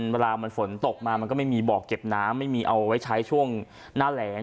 เวลามันฝนตกมามันก็ไม่มีบ่อเก็บน้ำไม่มีเอาไว้ใช้ช่วงหน้าแหลง